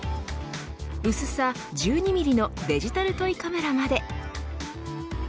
薄さ１２ミリのデジタルトイカメラまで。